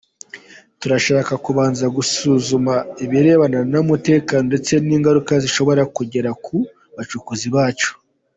Turashaka kubanza gusuzuma ibirebana n’umutekano ndetse n’ingaruka zishobora kugera ku bacukuzi bacu.